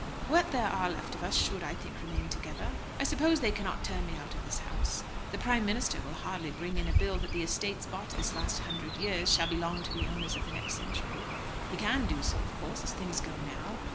"What there are left of us should, I think, remain together. I suppose they cannot turn me out of this house. The Prime Minister will hardly bring in a Bill that the estates bought this last hundred years shall belong to the owners of the next century. He can do so, of course, as things go now.